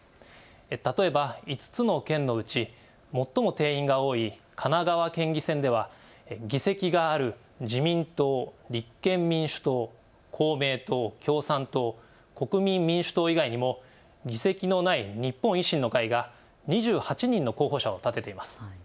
例えば５つの県のうち最も定員が多い神奈川県議選では議席がある自民党、立憲民主党、公明党、共産党、国民民主党以外にも議席のない日本維新の会が２８人の候補者を立てています。